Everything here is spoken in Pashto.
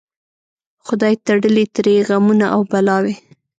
خدای تړلي ترې غمونه او بلاوي